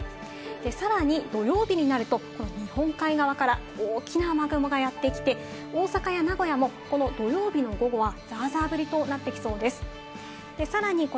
さらに土曜日になると日本海側から大きな雨雲がやってきて大阪や名古屋も土曜日の午後はザーザー降りとなってきそうです。